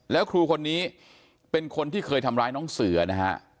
แล้วครูคนนี้เป็นคนที่เคยทำร้ายน้องเสือนะฮะ